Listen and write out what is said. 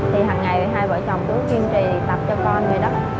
thì hằng ngày hai vợ chồng cứ kiên trì tập cho con vậy đó